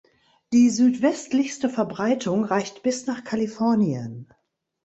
Die südwestlichste Verbreitung reicht bis nach Kalifornien.